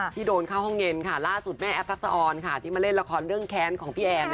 ที่โดนเข้าห้องเย็นค่ะล่าสุดแม่แอฟทักษะออนที่มาเล่นละครเรื่องแค้นของพี่แอน